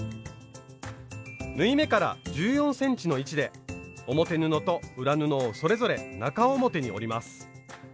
縫い目から１４ｃｍの位置で表布と裏布をそれぞれ中表に折ります。